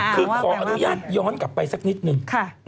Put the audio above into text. คือขออนุญาตย้อนกลับไปสักนิดนึง